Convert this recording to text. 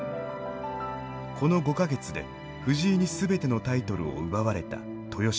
この５か月で藤井に全てのタイトルを奪われた豊島。